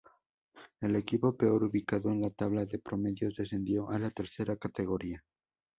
El equipo peor ubicado en la tabla de promedios descendió a la tercera categoría.